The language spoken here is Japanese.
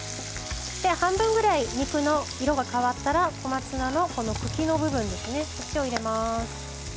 半分ぐらい肉の色が変わったら小松菜の茎の部分に火を入れます。